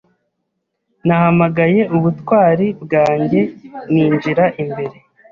Nahamagaye ubutwari bwanjye, ninjira imbere.